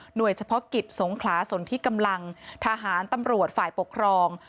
โดยเฉพาะกิจสงขลาสนที่กำลังทหารตำรวจฝ่ายปกครอง